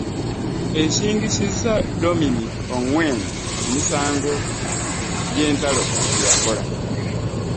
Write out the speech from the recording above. Esingisizza Dominic Ongwen emisango gy'entalo gye yakola.